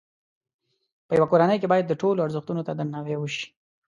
په یوه کورنۍ کې باید د ټولو ازرښتونو ته درناوی وشي.